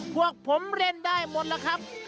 พวกผมเรียนได้หมดล่ะครับ